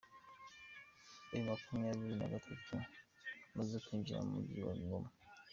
M makumyabiri nagatatu yamaze kwinjira mu Mujyi wa Goma